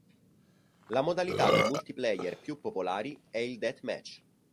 La modalità di multiplayer più popolari è il deathmatch.